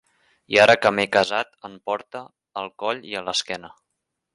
I ara que m’he casat en porte al coll i a l’esquena.